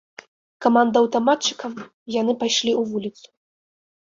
Каманда аўтаматчыкам, і яны пайшлі ў вуліцу.